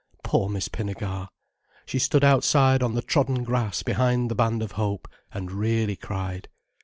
Poor Miss Pinnegar! She stood outside on the trodden grass behind the Band of Hope, and really cried.